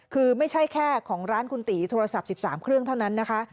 คือไม่ใช่แค่ของร้านคุณตีโทรศัพท์๑๓เครื่องเท่านั้นนะคะ